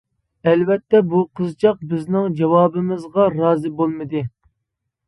ئەلۋەتتە بۇ قىزچاق بىزنىڭ جاۋابىمىزغا رازى بولمىدى.